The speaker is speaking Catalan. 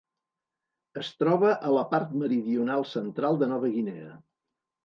Es troba a la part meridional central de Nova Guinea.